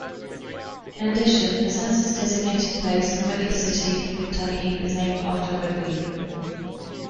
In addition, the census-designated place Whitley City, Kentucky, is named after Whitley.